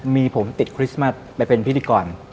มีผมติดคริสต์มัสไปเป็นพิธีกร